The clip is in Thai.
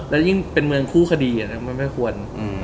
และยิ่งเป็นเมืองคู่คดีมันไม่ควร